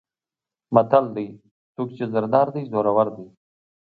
متل دی: څوک چې زر دار دی زورور دی.